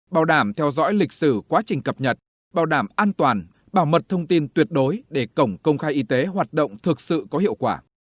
bảo đảm theo dõi lịch sử quá trình cập nhật bảo đảm an toàn bảo mật thông tin tuyệt đối để cổng công khai y tế hoạt động thực sự có hiệu quả